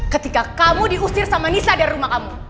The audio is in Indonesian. ketika kamu diusir sama nisa dan rumah kamu